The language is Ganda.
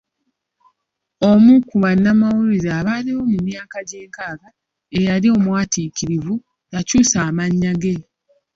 Omu ku bannamawulire abaaliwo mu myaka gy'ankaaga eyali omwatiikirivu, yakyusa amannya ge.